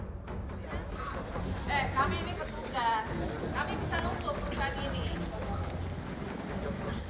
eh kami ini petugas kami bisa nutup perusahaan ini